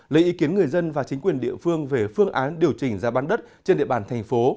lấy ý kiến người dân và chính quyền địa phương về phương án điều chỉnh giá bán đất trên địa bàn thành phố